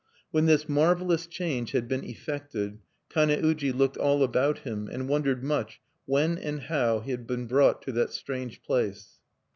When this marvelous change had been effected, Kane uji looked all about him, and wondered much when and how he had been brought to that strange place.